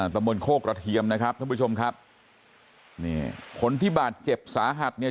ตะบนโคกระเทียมนะครับท่านผู้ชมครับนี่คนที่บาดเจ็บสาหัสเนี่ย